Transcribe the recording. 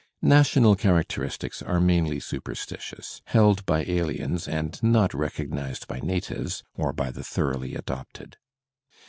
National characteristics are mainly superstitious, held by aliens and not recognized by matives or by the thoroughly adopted.